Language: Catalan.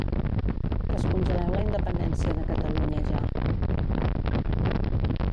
Descongeleu la independència de Catalunya ja